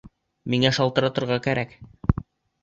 Миңә шылтыратырға кәрәк.